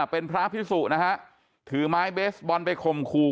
เป็นพระพิสุนะฮะถือไม้เบสบอลไปข่มขู่